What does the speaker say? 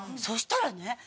そしたらね